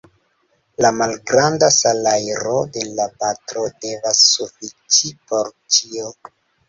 La malgranda salajro de la patro devas sufiĉi por ĉio.